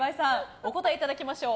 お答えいただきましょう。